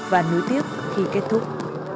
và nối tiếp khi kết thúc